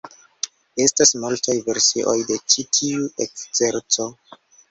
Estas multaj versioj de ĉi tiu ekzerco.